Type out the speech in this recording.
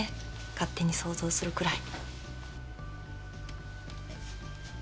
勝手に想像するくらい。